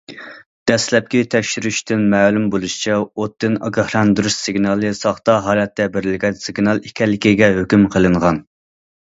دەسلەپكى تەكشۈرۈشتىن مەلۇم بولۇشىچە ئوتتىن ئاگاھلاندۇرۇش سىگنالى ساختا ھالەتتە بېرىلگەن سىگنال ئىكەنلىكىگە ھۆكۈم قىلىنغان.